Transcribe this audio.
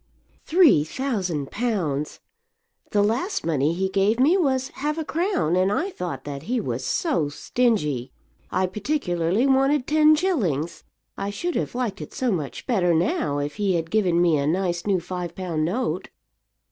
"Three thousand pounds! The last money he gave me was half a crown, and I thought that he was so stingy! I particularly wanted ten shillings. I should have liked it so much better now if he had given me a nice new five pound note."